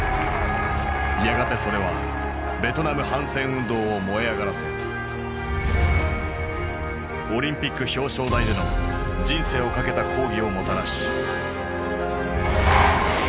やがてそれはベトナム反戦運動を燃え上がらせオリンピックの表彰台での人生をかけた抗議をもたらし。